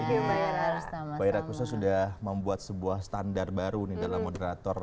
mbak ira kusno sudah membuat sebuah standar baru nih dalam moderator